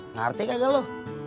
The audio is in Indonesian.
ngerti kagak lu